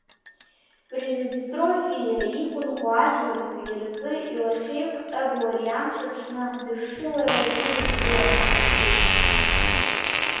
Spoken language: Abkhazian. Приднестровие иқәынхо ажәлар зегьы рзы илахьеиқәҵагоу ари амш аҽны ҳдышшылара шәыдышәкыларц ҳҭахуп.